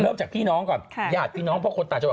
เริ่มจากพี่น้องก่อนญาติพี่น้องเพราะคนต่างจังหวัด